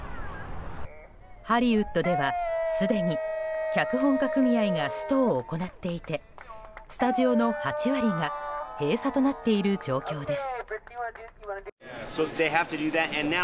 ハリウッドではすでに脚本家組合がストを行っていてスタジオの８割が閉鎖となっている状況です。